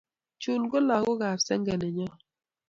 Chun ko lagogap senge nenyon.